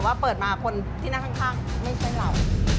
ว่าเปิดมาคนที่นั่งข้างไม่ใช่เรา